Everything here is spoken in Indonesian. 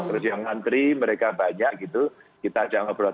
terus yang nganteri mereka banyak gitu kita jangan berbual